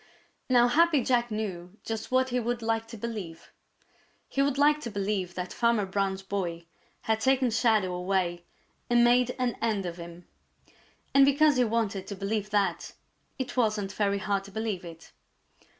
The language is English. Now Happy Jack knew just what he would like to believe. He would like to believe that Farmer Brown's boy had taken Shadow away and made an end of him. And because he wanted to believe that, it wasn't very hard to believe it.